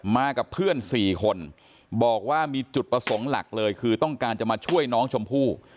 มากับเพื่อน๔คนบอกว่ามีจุดประสงค์หลักเลยคือต้องการจะมาช่วยน้องชมพู่